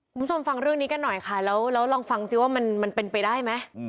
คุณผู้ชมฟังเรื่องนี้กันหน่อยค่ะแล้วลองฟังสิว่ามันเป็นไปได้ไหม